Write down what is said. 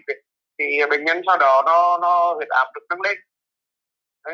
thì bệnh nhân sau đó nó huyệt áp được nâng lệch